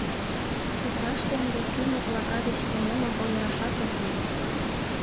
Чодыраште ынде кӱ моклака деч вынемым ойырашат ок лий.